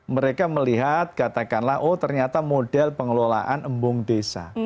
mereka melihat katakanlah oh ternyata model pengelolaan embung desa